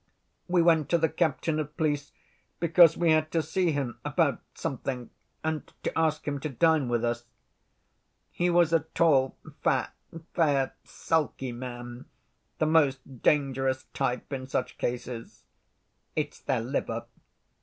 We went to the captain of police because we had to see him about something, and to ask him to dine with us. He was a tall, fat, fair, sulky man, the most dangerous type in such cases. It's their liver.